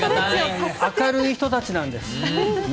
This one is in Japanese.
明るい人たちなんです。